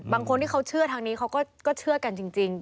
บางคนที่เขาเชื่อทางนี้เขาก็เชื่อกันจริง